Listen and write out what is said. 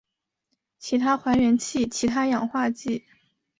其他还原器其他氧化剂